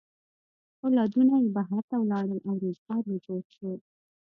اولادونه یې بهر ته ولاړل او روزگار یې جوړ شو.